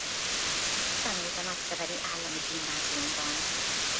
Tanult a nagyszebeni állami gimnáziumban.